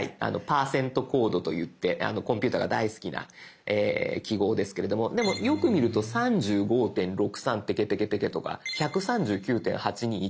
％コードといってコンピューターが大好きな記号ですけれどもでもよく見ると３５．６３ペケペケペケとか１３９．８２１